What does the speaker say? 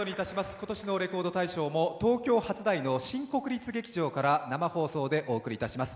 今年の「レコード大賞」も東京・初台の新国立劇場から生放送でお送りいたします。